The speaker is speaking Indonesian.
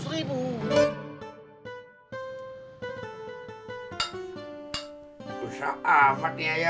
susah amat nih ayam